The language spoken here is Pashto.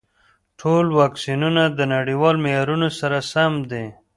ټول واکسینونه د نړیوال معیارونو سره سم دي.